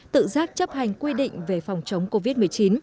tự giác chấp hành quy định về phòng chống covid một mươi chín